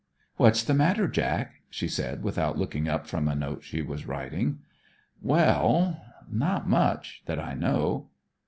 'What's the matter, Jack?' she said without looking up from a note she was writing. 'Well not much, that I know.'